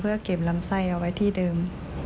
เพื่อเก็บลำไส้เอาไว้ที่เดิม